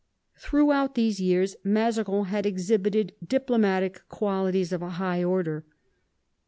Throughout these years Mazarin had exhibited diplo matic qualities of a high order.